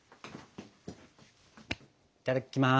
いただきます。